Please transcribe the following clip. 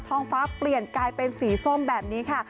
ท้องฟ้าเปลี่ยนกลายเป็นสีส้มแบบนี้ค่ะ